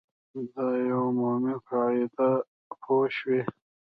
دا یوه عمومي قاعده ده پوه شوې!.